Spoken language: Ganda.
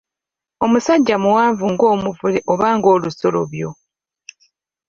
Omusajja muwanvu ng'omuvule oba ng'olusolobyo.